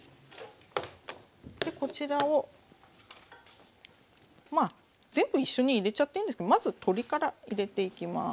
こちらをまあ全部一緒に入れちゃっていいんですけどまず鶏から入れていきます。